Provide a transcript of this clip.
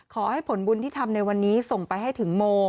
ขอให้ผลบุญที่ทำในวันนี้ส่งไปให้ถึงโม